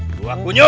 eh dua kunyur